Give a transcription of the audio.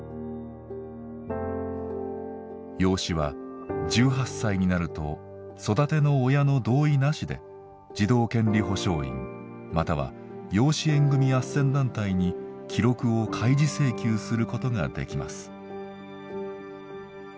養子は１８歳になると育ての親の同意なしで「児童権利保障院」または養子縁組あっせん団体に記録を開示請求することができます。